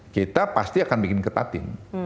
kita pasti akan bikin ketatin